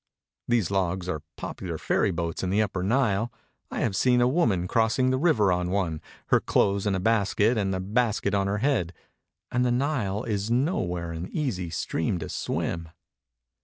These logs are popular ferr>' boats in the Upper Nile; I have seen a woman crossing the river on one, her clothes in a basket and the basket on her head — and the Nile is nowhere an easy stream to swim.